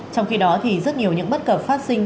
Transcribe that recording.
trong khi đó thì rất nhiều những bất cập phát sinh